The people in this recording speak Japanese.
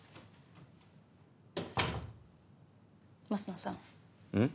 升野さん。